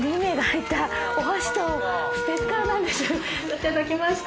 いただきました。